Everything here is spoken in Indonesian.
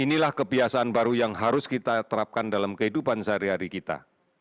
inilah kebiasaan baru yang harus kita terapkan dalam kehidupan sehari hari kita